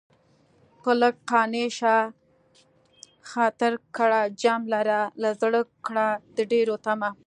په لږ قانع شه خاطر کړه جمع لرې له زړه کړه د ډېرو طمع